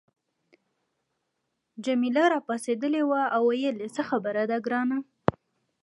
جميله راپاڅیدلې وه او ویې ویل څه خبره ده ګرانه.